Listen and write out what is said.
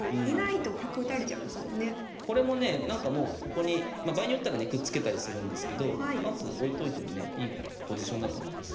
ここにまあ場合によったらねくっつけたりするんですけどまず置いといてもねいいポジションだと思います。